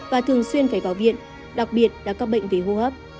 và thường xuyên phải vào viện đặc biệt đã có bệnh về hô hấp